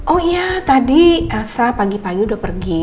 oh iya tadi elsa pagi pagi udah pergi